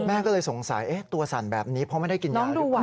แม่ก็เลยสงสัยตัวสั่นแบบนี้เพราะไม่ได้กินยาหรือเปล่า